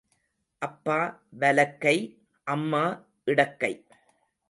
அப்பா வலக்கை அம்மா இடக்கை.